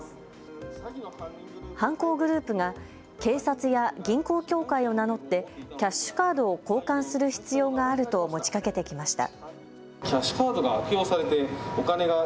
犯行グループが警察や銀行協会を名乗ってキャッシュカードを交換する必要があると持ちかけてきました。